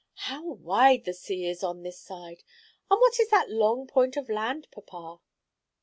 How wide the sea is on this side! And what is that long point of land, papa?"